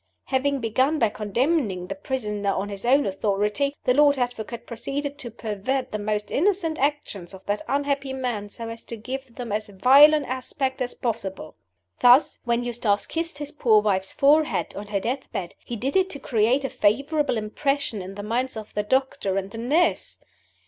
Having begun by condemning the prisoner on his own authority, the Lord Advocate proceeded to pervert the most innocent actions of that unhappy man so as to give them as vile an aspect as possible. Thus: When Eustace kissed his poor wife's forehead on her death bed, he did it to create a favorable impression in the minds of the doctor and the nurse!